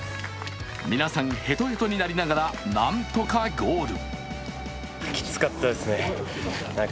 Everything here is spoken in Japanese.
皆さんへとへとになりながらなんとかゴール。